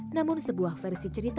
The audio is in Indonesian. namun sebuah versi cerita